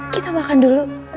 kita makan dulu